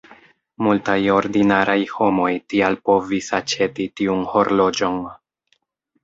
Multaj 'ordinaraj homoj' tial povis aĉeti tiun horloĝon.